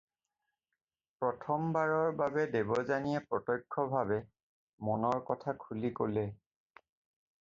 প্ৰথমবাৰৰ বাবে দেৱযানীয়ে প্ৰত্যক্ষভাৱে, মনৰ কথা খুলি ক'লে।